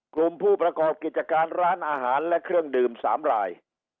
กลุ่มผู้ประกอบกิจการร้านอาหารและเครื่องดื่ม๓ราย